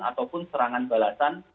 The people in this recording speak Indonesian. ataupun serangan balasan